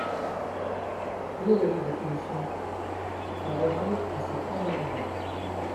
Quel est l’avis de la commission ? Favorable à ces trois amendements.